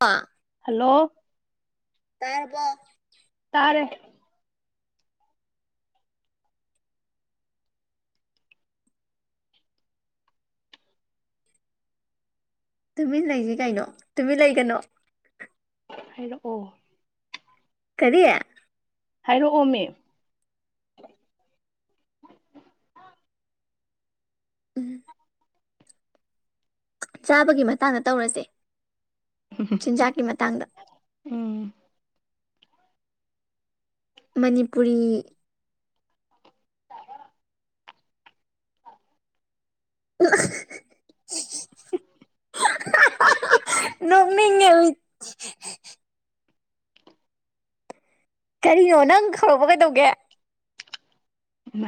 ꯑ [unintelligible] ꯍꯜꯂꯣ ꯇꯔꯕꯣ ꯇꯥꯔꯦ꯫ ꯇꯨꯃꯤꯟ ꯂꯩꯁꯤ ꯀꯩꯅꯣ ꯇꯨꯃꯤꯟ ꯂꯩꯒꯅꯣ ꯍꯥꯏꯔꯛꯑꯣ ꯀꯔꯤ ꯍꯥꯏꯔꯛꯑꯣꯅꯦ ꯎꯝ ꯆꯥꯕꯒꯤ ꯃꯇꯥꯡꯗ ꯇꯧꯔꯁꯦ ꯆꯤꯟꯖꯥꯛꯀꯤ ꯃꯇꯥꯡꯗ ꯎꯝ ꯃꯅꯤꯄꯨꯔꯤ [unintelligible] [unintelligible] ꯅꯣꯡꯃꯤ ꯀꯔꯤꯅꯣ ꯅꯪ ꯍꯧꯔꯛꯄ ꯀꯩꯗꯧꯒꯦ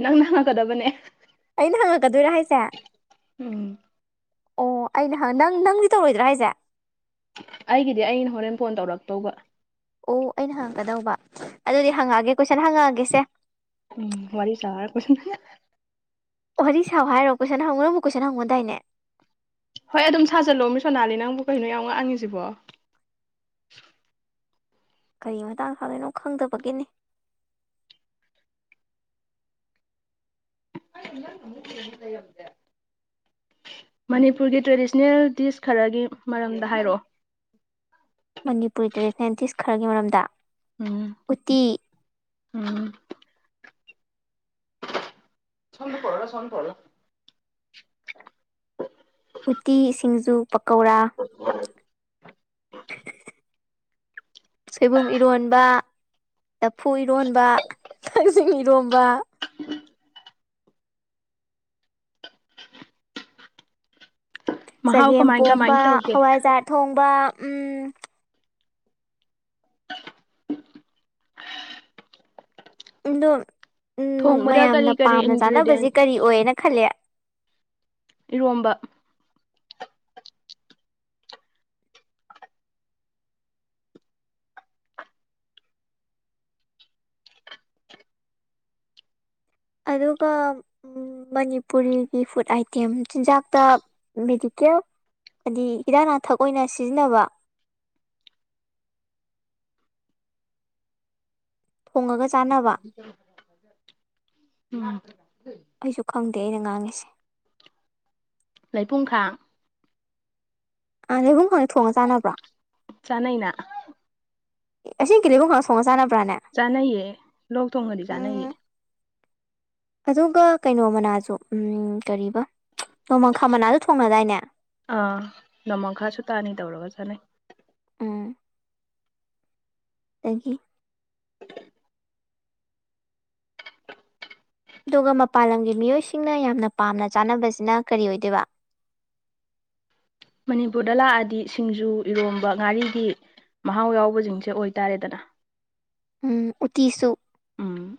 ꯅꯪꯅ ꯍꯪꯀꯗꯕꯅꯦ ꯑꯩꯅ ꯍꯪꯉꯛꯀꯗꯣꯏꯔꯥ ꯍꯥꯏꯁꯦ ꯎꯝ ꯑꯣ ꯑꯩꯅ ꯍꯪ ꯅꯪ ꯅꯪꯗꯤ ꯇꯧꯔꯣꯏꯗ꯭ꯔꯥ ꯍꯥꯏꯁꯦ ꯑꯩꯒꯤꯗꯤ ꯑꯩꯅ ꯍꯣꯔꯦꯟ ꯐꯣꯟ ꯇꯧꯔꯛꯇꯧꯕ ꯑꯣ ꯑꯩꯅ ꯍꯪꯒꯗꯧꯕ ꯑꯗꯨꯗꯤ ꯍꯪꯉꯛꯑꯒꯦ ꯀꯣꯏꯁꯟ ꯍꯪꯉꯛꯑꯒꯦꯁꯦ ꯎꯝ ꯋꯥꯔꯤ ꯁꯥꯔ ꯀꯣꯏꯁꯟꯁꯤꯅ ꯑꯣ ꯍꯧꯛ ꯁꯥꯎ ꯍꯥꯏꯔꯣ ꯀꯣꯏꯁꯟ ꯍꯪꯉꯨ ꯀꯣꯏꯟꯪꯉꯨꯗꯥꯏꯅꯦ ꯍꯣꯏ ꯑꯗꯨꯝ ꯁꯥꯖꯜꯂꯣꯃꯦ ꯃꯁꯣꯅꯥꯂꯤ ꯅꯪꯕꯨ ꯀꯩꯅꯣ ꯌꯥꯝ ꯉꯥꯡꯉꯤꯁꯤꯕꯣ ꯀꯔꯤ ꯃꯇꯥꯡ ꯁꯥꯥꯗꯣꯏꯅꯣ ꯈꯪꯗꯕꯒꯤꯅꯤ ꯅ ꯀꯗꯦ ꯑꯣꯏꯗꯦ ꯃꯅꯤꯄꯨꯔꯒꯤ ꯇ꯭ꯔꯦꯗꯤꯁꯅꯦꯜ ꯗꯤꯁ ꯈꯔꯒꯤ ꯃꯔꯝꯗ ꯍꯥꯏꯔꯛꯑꯣ ꯃꯅꯤꯄꯨꯔꯤꯗꯔꯤ ꯁꯥꯏꯟꯇꯤꯁ ꯈꯔꯒꯤ ꯃꯔꯝꯗ ꯎꯝ ꯎꯠꯇꯤ ꯎꯝ ꯁꯣꯟꯗ ꯄꯣꯔꯅꯨ ꯁꯣꯝꯗ ꯄꯣꯔꯂ ꯎꯇꯤ ꯁꯤꯡꯖꯨ ꯄꯀꯧꯔꯥ ꯎ [unintelligible] ꯁꯣꯏꯕꯨꯝ ꯏꯔꯣꯟꯕ ꯂꯐꯨ ꯏꯔꯣꯟꯕ ꯀꯛꯖꯤꯡ ꯏꯔꯣꯝꯕ ꯃꯍꯥꯎ ꯆꯒꯦꯝ ꯀꯃꯥꯏ ꯀꯃꯥꯏ ꯄꯣꯝꯕ ꯇꯧꯒꯦ ꯍꯋꯥꯏꯖꯥꯔ ꯊꯣꯡꯕ ꯎꯝ ꯑꯗꯣ ꯊꯣꯡꯕꯗ ꯀꯔꯤ ꯃꯌꯥꯝꯅ ꯀꯔꯤ ꯄꯥꯝꯅ ꯏꯟꯒ꯭ꯔꯤꯗꯤꯌꯦꯟ ꯆꯥꯅꯕꯁꯦ ꯀꯔꯤ ꯑꯣꯏꯌꯦꯅ ꯈꯜꯂꯦ ꯏꯔꯣꯝꯕ ꯑꯗ ꯀ ꯃꯅꯤꯄꯨꯔꯤꯒꯤ ꯐꯨꯗ ꯑꯥꯏꯇꯦꯝ ꯆꯤꯟꯖꯥꯛꯇ ꯃꯦꯗꯤꯀꯦꯜ ꯍꯥꯏꯗꯤ ꯏꯤꯔꯥꯛ ꯂꯅꯥꯊꯛ ꯑꯣꯏꯅ ꯁꯤꯖꯤꯟꯅꯕ ꯊꯣꯡꯉꯒ ꯆꯥꯟꯅꯕ ꯎꯝ ꯎꯝ ꯑꯩꯁꯨ ꯈꯪꯗꯦ ꯑꯩꯅ ꯉꯥꯡꯉꯤꯁꯦ ꯂꯩꯄꯨꯡꯈꯥ ꯑꯥ ꯂꯩꯄꯨꯡꯋꯥꯁꯦ ꯊꯣꯡꯉ ꯆꯥꯅꯕ꯭ꯔꯣ ꯆꯥꯅꯩꯅ ꯏꯁꯤꯡꯀꯤ ꯂꯩꯕꯨꯡ ꯈꯥꯡ ꯊꫭꯡꯉ ꯆꯥꯟꯅꯕ꯭ꯔꯥꯅꯦ ꯆꯥꯅꯩꯌꯦ ꯂꯣꯛ ꯊꯣꯡꯒꯗꯤ ꯆꯥꯅꯩꯌꯦ ꯑꯗꯨꯒ ꯀꯩꯅꯣ ꯃꯅꯥꯁꯨ ꯎꯝ ꯀꯔꯤꯕ ꯅꯣꯡꯃꯈꯥ ꯃꯅꯥꯁꯨ ꯊꯣꯡꯅꯗꯥꯏꯅꯦ ꯑꯥ ꯅꯣꯡꯃ ꯈꯥꯁꯨ ꯇꯥꯅꯤ ꯇꯧꯔꯒ ꯆꯠꯅꯩ ꯎꯝ ꯑꯗꯒꯤ ꯑꯗꯨꯒ ꯃꯄꯥꯟ ꯂꯝꯒꯤ ꯃꯤꯑꯣꯏꯁꯤꯡꯅ ꯌꯥꯝꯅ ꯄꯥꯝꯅ ꯆꯥꯅꯕꯁꯤꯅ ꯀꯔꯤ ꯑꯣꯏꯗꯣꯏꯕ ꯃꯅꯤꯄꯨꯔꯗ ꯂꯥꯛꯑꯗꯤ ꯁꯤꯡꯖꯨ ꯏꯔꯣꯝꯕ ꯉꯥꯔꯤꯒꯤ ꯃꯍꯥꯎ ꯌꯥꯎꯕꯁꯤꯡꯁꯦ ꯑꯣꯏꯇꯥꯔꯦꯗꯅ ꯎ ꯎꯇꯤꯁꯨ ꯎꯝ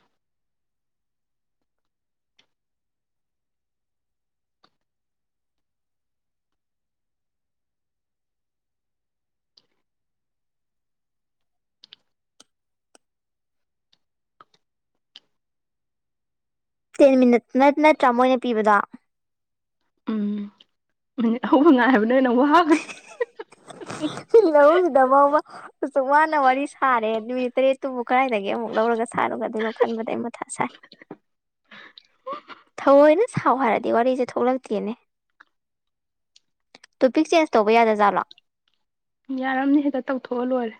ꯇꯦꯟ ꯃꯤꯅꯠ ꯅꯠ ꯅꯠꯇ꯭ꯔꯥ ꯃꯣꯏꯅ ꯄꯤꯕꯗꯣ ꯎꯝ ꯃꯤꯅꯤꯠ ꯍꯧꯕ ꯉꯥꯏꯕꯅ ꯍꯦꯟꯅ ꯋꯥꯒ꯭ꯔꯦ [unintelligible] ꯃꯔꯣꯜ ꯁꯤꯗ ꯕꯥꯎꯕ ꯑꯁꯨꯛ ꯋꯥꯅ ꯋꯥꯔꯤ ꯁꯥꯔꯦ ꯅꯨꯃꯤꯠ ꯇꯔꯦꯠꯇꯨꯕꯨ ꯀꯗꯥꯏꯗꯒꯤ ꯑꯃꯨꯛ ꯂꯧꯔꯒ ꯁꯥꯔꯨꯒꯗꯣꯏꯅꯣ ꯈꯟꯕꯗ ꯑꯩ ꯃꯊꯥ ꯁꯥꯏ ꯊꯑꯣꯏꯅ ꯁꯥꯎ ꯍꯥꯏꯔꯗꯤ ꯋꯥꯔꯤꯖꯦ ꯊꯣꯛꯂꯛꯇꯦꯅꯦ ꯇꯣꯄꯤꯛ ꯆꯦꯟꯖ ꯇꯧꯕ ꯌꯥꯗꯖꯥꯠꯂꯣ ꯌꯥꯔꯝꯅꯤ ꯍꯦꯛꯇ ꯇꯧꯊꯣꯛꯑ ꯂꯣꯏꯔꯦ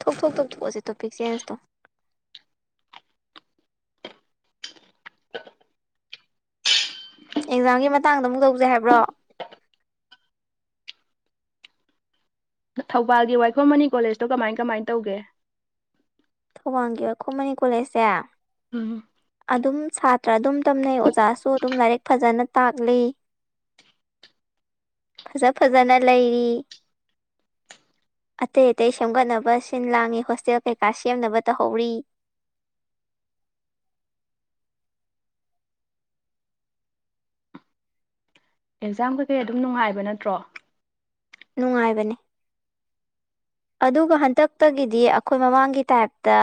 ꯊꯣꯛꯊꯣꯛ ꯇꯧꯊꯣꯛꯑꯁꯤ ꯇꯣꯄꯤꯛ ꯆꯦꯟꯖ ꯇꯣ ꯑꯦꯛꯖꯥꯝꯒꯤ ꯃꯇꯥꯡꯗ ꯑꯃꯨꯛ ꯇꯧꯖꯩ ꯍꯥꯏꯕ꯭ꯔꯣ ꯊꯧꯕꯥꯜꯒꯤ ꯋꯥꯏꯈꯣꯝ ꯃꯅꯤ ꯀꯣꯂꯦꯖꯇꯣ ꯀꯃꯥꯏ ꯀꯃꯥꯏ ꯇꯧꯒꯦ ꯊꯧꯕꯥꯜꯒꯤ ꯋꯥꯏꯈꯣꯝ ꯃꯅꯤ ꯀꯣꯂꯦꯖꯁꯦ ꯎꯝ ꯑꯗꯨꯝ ꯁꯥꯇ꯭ꯔ ꯑꯗꯨꯝ ꯇꯝꯅꯩ ꯑꯣꯖꯥꯁꯨ ꯑꯗꯨꯝ ꯂꯥꯏꯔꯤꯛ ꯐꯖꯅ ꯇꯥꯛꯂꯤ ꯐꯖ ꯐꯖꯅ ꯂꯩꯔꯤ ꯑꯇꯩ ꯑꯇꯩ ꯁꯦꯝꯒꯠꯅꯕ ꯁꯤꯟ ꯂꯥꯡꯉꯤ ꯍꯣꯁꯇꯦꯜ ꯀꯩꯀꯥ ꯁꯦꯝꯅꯕ ꯇꯧꯍꯧꯔꯤ ꯑꯦꯛꯖꯥꯝ ꯀꯩꯀꯩ ꯑꯗꯨꯝ ꯅꯨꯡꯉꯥꯏꯕ ꯅꯠꯇ꯭ꯔꯣ ꯅꯨꯡꯉꯥꯏꯕꯅꯦ ꯑꯗꯨꯒ ꯍꯟꯗꯛꯇꯒꯤꯗꯤ ꯑꯈꯣꯏ ꯃꯃꯥꯡꯒꯤ ꯇꯥꯏꯞꯇ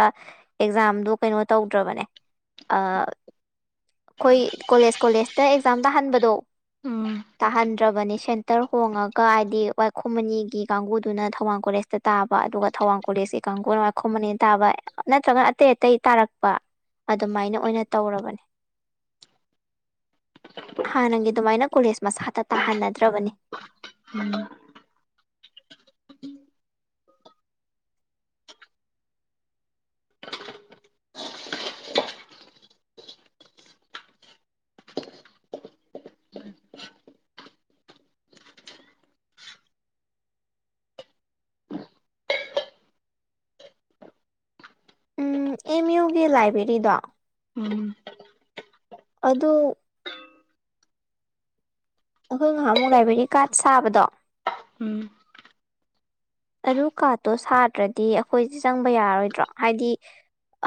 ꯑꯦꯛꯖꯥꯝꯗꯣ ꯀꯩꯅꯣ ꯇꯧꯗ꯭ꯔꯕꯅꯦ ꯑ ꯑꯈꯣꯏ ꯀꯣꯂꯦꯖ ꯀꯣꯂꯦꯖꯇ ꯑꯦꯛꯖꯥꯝ ꯇꯥꯍꯟꯕꯗꯣ ꯎꯝ ꯇꯥꯍꯟꯗ꯭ꯔꯕꯅꯤ ꯁꯦꯟꯇꯔ ꯍꯣꯡꯉꯒ ꯍꯥꯏꯗꯤ ꯋꯥꯏꯈꯣꯝ ꯃꯅꯤꯒꯤ ꯀꯥꯡꯕꯨꯗꯨꯅ ꯊꯧꯕꯥꯜ ꯀꯣꯂꯦꯖ ꯇ ꯇꯥꯕ ꯑꯗꯨꯒ ꯊꯧꯋꯥꯡ ꯀꯣꯂꯦꯖꯀꯤ ꯀꯥꯡꯒꯨꯅ ꯋꯥꯥꯏꯈꯣꯝ ꯃꯅꯤꯗ ꯇꯥꯕ ꯅꯠꯇ꯭ꯔꯒꯅ ꯑꯇꯩ ꯑꯇꯩ ꯇꯥꯔꯛꯄ ꯑꯗꯨꯃꯥꯏꯅ ꯑꯣꯏꯅ ꯇꯧꯔꯕꯅꯦ ꯍꯥꯟꯅꯒꯤ ꯑꯗꯨꯃꯥꯏꯅ ꯀꯣꯂꯦꯖ ꯃꯁꯥꯗ ꯇꯥꯍꯟꯅꯗ꯭ꯔꯕꯅꯤ ꯎꯝ ꯎꯝ ꯑꯦꯝ ꯌꯨꯒꯤ ꯂꯥꯏꯕ꯭ꯔꯦꯔꯤꯗꯣ ꯎꯝ ꯑꯗꯨ ꯑꯈꯣꯏ ꯉꯍꯥꯟꯃꯨꯛ ꯂꯥꯏꯕ꯭ꯔꯦꯔꯤ ꯀꯥꯔꯗ ꯁꯥꯕꯗꯣ ꯎꯝ ꯑꯗꯨ ꯀꯥꯔꯠꯇꯣ ꯁꯥꯗ꯭ꯔꯗꯤ ꯑꯈꯣꯏꯖꯦ ꯆꯪꯕ ꯌꯥꯔꯔꯣꯏꯗ꯭ꯔꯣ ꯍꯥꯏꯗꯤ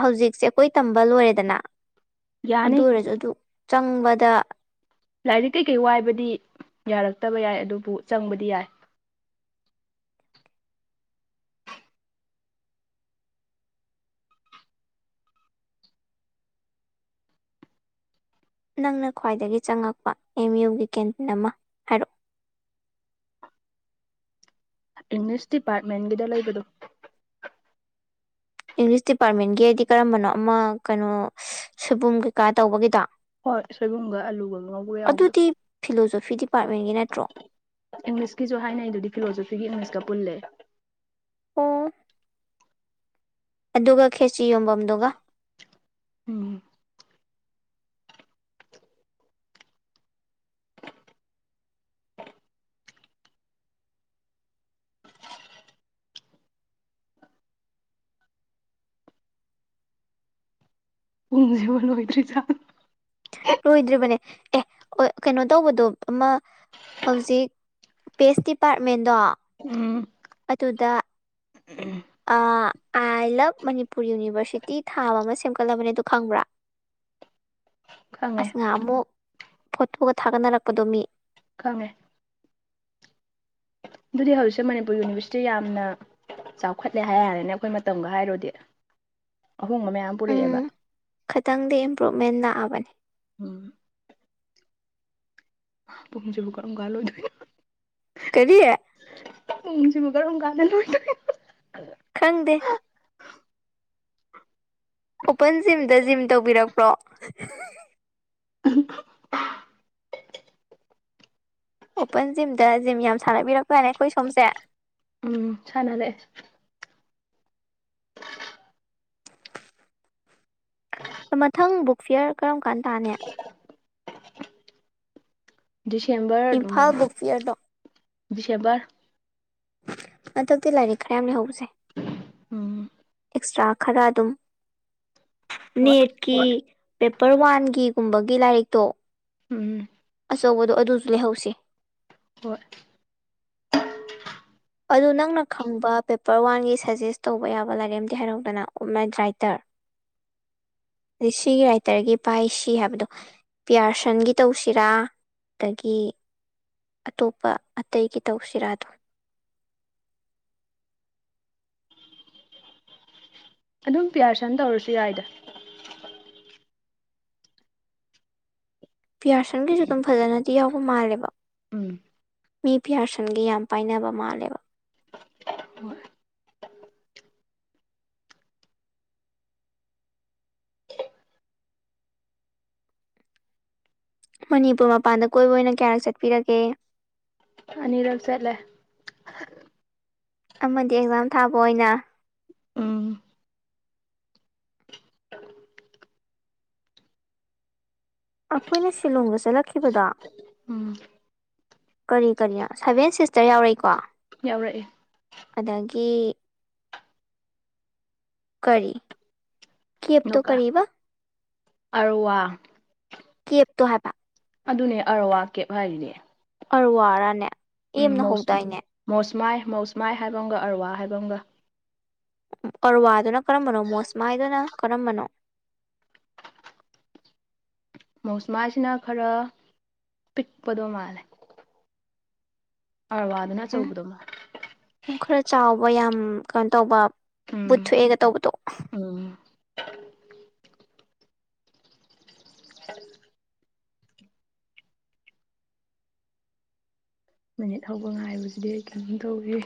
ꯍꯨꯖꯤꯛꯁꯦ ꯑꯈꯣꯏ ꯇꯝꯕ ꯂꯣꯏꯔꯦꯗꯅ ꯑꯗꯨ ꯌꯥꯅꯤ ꯑꯣꯏꯔꯖꯨ ꯑꯗꯨ ꯆꯪꯕꯗ ꯂꯥꯏꯔꯤꯛ ꯀꯩꯀꯩ ꯋꯥꯏꯕꯗꯤ ꯌꯥꯔꯛꯇꯕ ꯌꯥꯏ ꯑꯗꯨꯕꯨ ꯆꯪꯕꯗꯤ ꯌꯥꯏ ꯅꯪꯅ ꯈ꯭ꯋꯥꯏꯗꯒꯤ ꯆꯪꯉꯛꯄ ꯑꯦꯝ ꯌꯨꯒꯤ ꯀꯦꯟꯇꯤꯟ ꯑꯃ ꯍꯥꯏꯔꯛꯑꯣ ꯏꯪꯂꯤꯁ ꯗꯤꯄꯥꯔꯠꯃꯦꯟꯒꯤꯗ ꯂꯩꯕꯗꯨ ꯏꯪꯂꯤꯁ ꯗꯤꯄꯥꯔꯠꯃꯦꯟꯒꯤ ꯍꯥꯏꯗꯤ ꯀꯔꯝꯕꯅꯣ ꯑꯃ ꯀꯩꯅꯣ ꯁꯣꯏꯕꯨꯝ ꯀꯩꯀꯥ ꯇꯧꯕꯒꯤꯗꯣ ꯍꯣꯏ ꯁꯣꯏꯕꯨꯝꯒ ꯑꯂꯨꯒ ꯉꯧꯕꯒ ꯌꯥꯎꯕꯗꯣ ꯑꯗꯨꯗꯤ ꯐꯤꯂꯣꯖꯣꯐꯤ ꯗꯤꯄꯥꯔꯠꯃꯦꯟꯒꯤ ꯅꯠꯇ꯭ꯔꯣ ꯏꯪꯂꯤꯁꯀꯤꯁꯨ ꯍꯥꯏꯅꯩꯗꯨꯗꯤ ꯐꯤꯂꯣꯖꯣꯐꯤꯒ ꯏꯪꯂꯤꯁꯀ ꯄꯨꯜꯂꯦ ꯑꯣ ꯑꯗꯨꯒ ꯈꯦꯆꯤ ꯌꯣꯟꯕꯝꯗꯨꯒ ꯎꯝ ꯄꯨꯡꯖꯤꯕꯨ ꯂꯣꯏꯗ꯭ꯔꯤꯖꯥꯠꯂꯣ ꯂꯣꯏꯗ꯭ꯔꯤꯕꯅꯦ ꯑꯦ ꯑꯣꯏ ꯀꯩꯅꯣ ꯇꯧꯕꯗꯣ ꯑꯃ ꯍꯧꯖꯤꯛ ꯄꯦꯁ ꯗꯤꯄꯥꯔꯠꯃꯦꯟꯗꯣ ꯑꯗꯨꯗ ꯎꯝ ꯑꯥ ꯑꯥꯏ ꯂꯕ ꯃꯅꯤꯄꯨꯔ ꯌꯨꯅꯤꯚꯔꯁꯤꯇꯤ ꯊꯥꯕ ꯑꯃ ꯁꯦꯝꯒꯠꯂꯕꯅꯦ ꯑꯗꯨ ꯈꯪꯕ꯭ꯔꯥ ꯈꯪꯉꯦ ꯑꯁ ꯉꯍꯥꯟꯃꯨꯛ ꯐꯣꯇꯣꯒ ꯊꯥꯒꯠꯅꯔꯛꯄꯗꯣ ꯃꯤ ꯈꯪꯉꯦ ꯑꯗꯨꯗꯤ ꯍꯧꯖꯤꯛꯁꯦ ꯃꯅꯤꯄꯨꯔ ꯌꯨꯅꯤꯚꯔꯁꯤꯇꯤ ꯌꯥꯝꯅ ꯆꯥꯎꯈꯠꯂꯦ ꯍꯥꯏꯌꯥꯔꯦꯅꯦ ꯑꯈꯣꯏ ꯃꯇꯝꯒ ꯍꯥꯏꯔꯨꯔꯗꯤ ꯑꯍꯣꯡꯕ ꯃꯌꯥꯝ ꯎꯝ ꯄꯨꯔꯛꯑꯦꯕ ꯈꯇꯪꯗꯤ ꯏꯝꯄ꯭ꯨꯔꯚꯃꯦꯟ ꯂꯥꯛꯑꯕꯅꯦ ꯎꯝ ꯄꯨꯡꯖꯤꯕꯨ ꯀꯔꯝꯀꯥꯟ ꯂꯣꯏꯗꯣꯏꯅꯣ꯫ [unintelligible] ꯀꯔꯤ꯫ ꯎꯨꯡꯁꯤꯕꯨ ꯀꯔꯝ ꯀꯥꯟꯅ ꯂꯣꯏꯗꫭꯏ꯫ [unintelligible] ꯈꯪꯗꯦ꯫ ꯑꯣꯄꯟ ꯖꯤꯝꯗ ꯖꯤꯝ ꯇꯧꯕꯤꯔꯛꯄ꯭ꯔꯣ꯫ [unintelligible] ꯑꯣꯄꯟ ꯖꯤꯝꯗ ꯖꯤꯝ ꯌꯥꯝ ꯁꯥꯟꯅꯕꯤꯔꯛꯄꯔꯅꯦ ꯑꯈꯣꯏ ꯁꯣꯝꯁꯦ꯫ ꯎꯝ ꯁꯥꯟꯅꯔꯛꯑꯦ꯫ ꯃꯊꯪ ꯕꯨꯛ ꯐꯤꯌꯦꯔ ꯀꯔꯝ ꯀꯥꯟ ꯇꯥꯅꯤ꯫ ꯗꯤꯁꯦꯝꯕꯔ ꯏꯝꯐꯥꯜ ꯑꯗꯨꯝꯅꯤ ꯕꯨꯛ ꯐꯤꯌꯔꯗꯣ ꯗꯤꯁꯦꯝꯕꯔ꯫ ꯍꯟꯗꯛꯇꯤ ꯂꯥꯏꯔꯤꯛ ꯈꯔ ꯌꯥꯝ ꯂꯩꯍꯧꯕꯁꯦ꯫ ꯎꯝ꯫ ꯑꯦꯛꯁꯇ꯭ꯔꯥ ꯈꯔ ꯑꯗꯨꯝ ꯍꯣꯏ ꯅꯦꯠꯀꯤ ꯄꯦꯄꯔ ꯋꯥꯟꯒꯤꯒꯨꯝꯕꯒꯤ ꯂꯥꯏꯔꯤꯛꯇꯣ ꯎꯝ꯫ ꯑꯆꯧꯕꯗꯣ ꯑꯗꯨꯁꯨ ꯂꯩꯍꯧꯁꯦ꯫ ꯍꯣꯏ꯫ ꯑꯗꯨ ꯅꯪꯅ ꯈꯪꯕ ꯄꯦꯄꯔ ꯋꯥꯟꯒꯤ ꯁꯖꯦꯁ ꯇꯧꯕ ꯌꯥꯕ ꯂꯥꯏꯔꯤꯛ ꯑꯝꯗꯤ ꯍꯥꯏꯔꯧꯗꯅ ꯑꯣꯞꯃꯗ꯭ꯔꯥꯏꯇꯔ꯫ ꯗ ꯁꯤꯒꯤ ꯔꯥꯏꯇꯔꯒꯤ ꯄꯥꯏ ꯁꯤ ꯍꯥꯏꯕꯗꯣ ꯄꯤꯌꯥꯔꯁꯟꯒꯤ ꯇꯧꯁꯤꯔꯥ ꯑꯗꯒꯤ ꯑꯇꯣꯞꯄ ꯑꯇꯩꯒꯤ ꯇꯧꯁꯤꯔꯥꯗꯣ꯫ ꯑꯗꯨꯝ ꯄꯤꯌꯥꯔꯁꯟ ꯇꯧꯔꯁꯨ ꯌꯥꯏꯗ꯫ ꯄꯤꯌꯥꯔꯁꯟꯒꯤꯁꯨ ꯑꯗꯨꯝ ꯐꯖꯅꯗꯤ ꯌꯥꯎꯕ ꯃꯥꯜꯂꯦꯕ꯫ ꯎꯝ꯫ ꯃꯤ ꯄꯤꯌꯥꯥꯔꯁꯟꯒꯤ ꯌꯥꯝ ꯄꯥꯏꯅꯕ ꯃꯥꯜꯂꯦꯕ꯫ ꯍꫭꯏ꯫ ꯃꯅꯤꯄꯨꯔ ꯃꯄꯥꯟꯗ ꯀꯣꯏꯕ ꯑꯣꯏꯅ ꯀꯌꯥꯔꯛ ꯆꯠꯄꯤꯔꯒꯦ꯫ ꯑꯅꯤꯔꯛ ꯆꯠꯂꯦ꯫ ꯑꯃꯗꯤ ꯑꯦꯛꯖꯥꯝ ꯊꯥꯕ ꯑꯣꯏꯅ꯫ ꯎꯝ꯫ [unintelligible] ꯑꯈꯣꯏꯅ ꯁꯤꯂꯣꯡꯒ ꯆꯠꯂꯛꯈꯤꯕꯗꯣ ꯎꯝ ꯀꯔꯤ ꯀꯔꯤ ꯁꯚꯦꯟ ꯁꯤꯁꯇꯔ ꯌꯥꯎꯔꯤꯀꯣ꯫ ꯌꯥꯎꯔꯛꯑꯦ꯫ ꯑꯗꯒꯤ ꯀꯔꯤ꯫ ꯀꯦꯞꯇꯣ ꯅꫭꯀ ꯀꯔꯤꯕ ꯑꯔꫭꯋꯥ꯫ ꯀꯦꯞꯇꯣ ꯍꯥꯏꯕ꯫ ꯑꯗꯨꯅꯦ ꯑꯔꯋꯥ ꯀꯦꯞ ꯍꯥꯏꯔꯤꯅꯦ꯫ ꯑꯔꫭꯋꯥ ꯔꯅꯦ꯫ ꯎꯝ ꯃꫭꯁ ꯃꯧꯁꯃꯥꯏ ꯃꯧꯁꯃꯥꯏ ꯍꯥꯏꯕ ꯑꯃꯒ ꯑꯔꯋꯥ ꯍꯥꯏꯕ ꯑꯃꯒ꯫ ꯑꯔꯋꯥꯗꯨꯅ ꯀꯔꯝꯕꯅꯣ ꯃꯣꯁꯃꯥꯏꯗꯨꯅ ꯀꯔꯝꯕꯅꯣ꯫ ꯃꯧꯁꯃꯥꯁꯤꯅ ꯈꯔ ꯄꯤꯛꯄꯗꯣ ꯃꯥꯜꯂꯦ꯫ ꯑꯥꯔꯋꯥꯗꯨꯅ ꯑꯆꯧꯕꯗꯣ ꯃꯥ꯫ ꯎ ꯈꯔ ꯆꯥꯎꯕ ꯌꯥꯝ ꯀꯩꯅꯣ ꯇꯧꯕ ꯕꯨꯠ ꯎꯝ ꯊꯣꯛꯑꯦꯒ ꯇꯧꯕꯗꯣ꯫ ꯎꯝ ꯃꯤꯅꯤꯠ ꯍꯧꯕ ꯉꯥꯏꯕꯁꯤꯗꯤ ꯑꯩ ꯀꯩꯅꯣꯝ ꯇꯧꯋꯦ꯫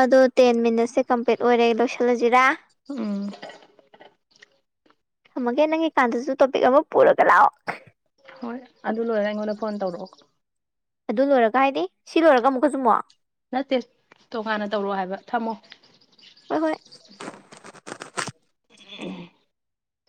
ꯑꯗꯣ ꯇꯦꯟ ꯃꯤꯅꯠꯁꯁꯦ ꯀꯝꯄ꯭ꯂꯤꯠ ꯑꯣꯏꯔꯦ ꯂꯣꯏꯁꯤꯜꯂꯖꯤꯔꯥ꯫ ꯎꯝ꯫ ꯊꯝꯃꯒꯦ ꯅꯪꯒꯤꯀꯥꯟꯗꯁꯨ ꯇꯣꯄꯤꯛ ꯑꯃ ꯄꯨꯔꯒ ꯂꯥꯛꯑꯣ꯫ ꯍꯣꯏ ꯑꯗꯨ ꯂꯣꯏꯔꯒ ꯑꯩꯉꯣꯟꯗ ꯐꯣꯟ ꯇꯧꯔꯛꯑꯣ꯫ ꯑꯗꯨ ꯂꯣꯏꯔꯒ ꯍꯥꯏꯗꯤ ꯁꯤ ꯂꯣꯏꯔꯒ ꯑꯃꯨꯛꯀ ꯆꯨꯃꯣꯛ ꯅꯠꯇꯦ ꯇꯣꯉꯥꯟꯅ ꯇꯧꯔꯣ ꯍꯥꯏꯕ ꯊꯝꯃꯣ ꯍꯣꯏ ꯍꯣꯏ